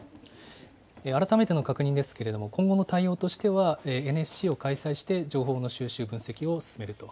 改めての確認ですけれども、今後の対応としては、ＮＳＣを開催して情報の収集、分析を進めると。